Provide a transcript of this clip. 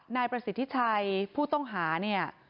นายประสิทธิชัยผู้ต้องหาเนี่ย